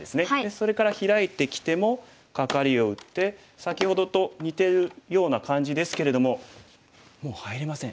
それからヒラいてきてもカカリを打って先ほどと似てるような感じですけれどももう入れません。